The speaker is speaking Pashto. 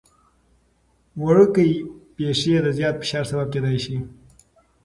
وړوکي پېښې د زیات فشار سبب کېدای شي.